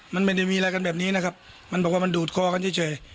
มันไม่ได้มีอะไรกันแบบนี้นะครับมันบอกว่ามันดูดคอกันเฉย